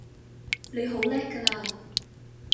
你好叻㗎啦